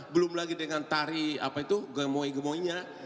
belum lagi dengan tari apa itu gemoy gemoinya